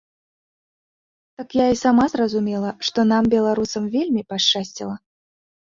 Так я і сама зразумела, што нам, беларусам, вельмі пашчасціла.